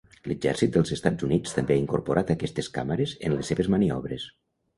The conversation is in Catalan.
L'exèrcit dels Estats Units també ha incorporat aquestes càmeres en les seves maniobres.